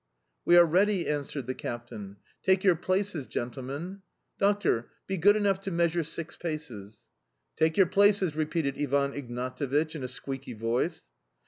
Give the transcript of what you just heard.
"We are ready," answered the captain. "Take your places, gentlemen! Doctor, be good enough to measure six paces"... "Take your places!" repeated Ivan Ignatevich, in a squeaky voice.